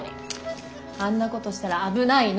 あんなことしたら危ないの。